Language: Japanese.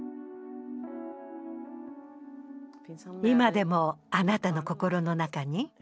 今でもあなたの心の中に？